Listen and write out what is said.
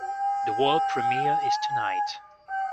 The world premiere is tonight!